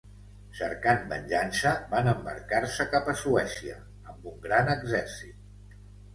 Cercant venjança, van embarcar-se cap a Suècia amb un gran exèrcit.